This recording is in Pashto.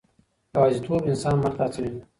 يوازيتوب انسان مرګ ته هڅوي.